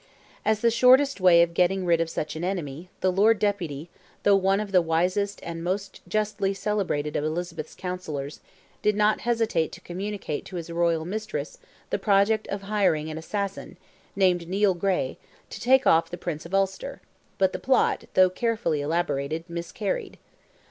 As the shortest way of getting rid of such an enemy, the Lord Deputy, though one of the wisest and most justly celebrated of Elizabeth's Counsellors, did not hesitate to communicate to his royal mistress the project of hiring an assassin, named Nele Gray, to take off the Prince of Ulster, but the plot, though carefully elaborated, miscarried.